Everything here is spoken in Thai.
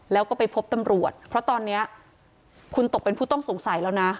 แล้วก็ไปพบตำรวจเพราะตอนนี้คุณตกเป็นผู้ต้องสงสัยแล้วนะ